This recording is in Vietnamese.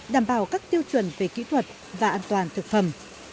đảm bảo các tiêu chuẩn về kỹ thuật và an toàn thực phẩm